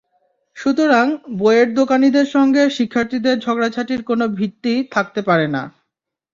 সুতরাং, বইয়ের দোকানিদের সঙ্গে শিক্ষার্থীদের ঝগড়াঝাঁটির কোনো ভিত্তি থাকতে পারে না।